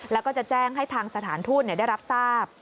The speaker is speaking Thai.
แล้วก็จะแจ้งให้ทางสถานทูตได้รับทราบ